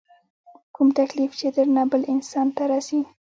کوم تکليف چې درنه بل انسان ته رسي